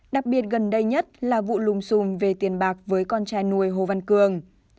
đặc biệt gần đây nhất là vụ lùng xùm về tiền bạc với con trai nuôi hồ văn cương